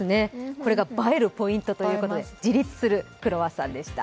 これが映えるポイントということで自立するクロワッサンでした。